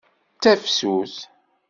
D tafsut.